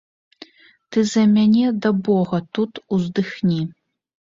Ты за мяне да бога тут уздыхні.